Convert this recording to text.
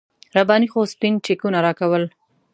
رباني خو سپین چکونه راکول.